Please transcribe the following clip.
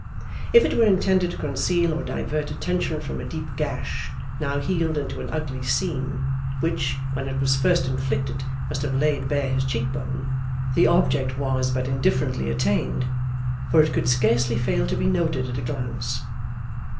If it were intended to conceal or divert attention from a deep gash, now healed into an ugly seam, which when it was first inflicted must have laid bare his cheekbone, the object was but indifferently attained, for it could scarcely fail to be noted at a glance.